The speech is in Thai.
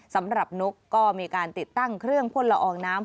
นกก็มีการติดตั้งเครื่องพ่นละอองน้ำ